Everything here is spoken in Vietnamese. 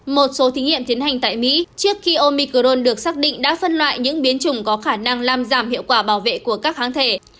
một số thí nghiệm tiến hành tại mỹ trước khi omicron được xác định đã phân loại những biến chủng có khả năng làm giảm hiệu quả bảo vệ của các kháng thể